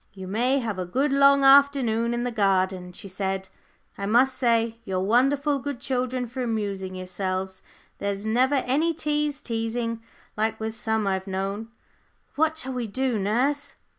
"You may have a good long afternoon in the garden," she said. "I must say you're wonderful good children for amusing yourselves. There's never any tease teasing, like with some I've known 'What shall we do, nurse?'